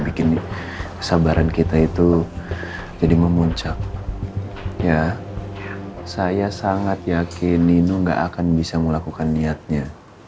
bikin kesabaran kita itu jadi memuncak ya saya sangat yakin ninuh gak akan bisa melakukan niatnya